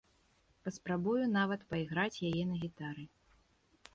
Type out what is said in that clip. Паспрабую нават пайграць яе на гітары.